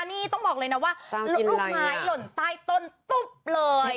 นี่ต้องบอกเลยนะว่าลูกไม้หล่นใต้ต้นตุ๊บเลย